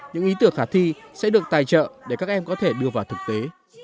những ý tưởng khả thi sẽ được tài trợ để các em có thể đưa vào thực tế